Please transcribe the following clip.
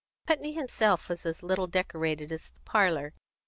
Putney himself was as little decorated as the parlour.